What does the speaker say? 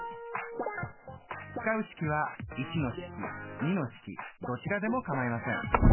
使う式は１の式２の式どちらでもかまいません。